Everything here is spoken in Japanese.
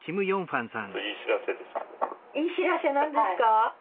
良い知らせなんですか？